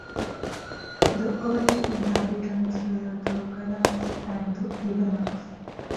The early inhabitants were the Gaddangs and the Ibanags.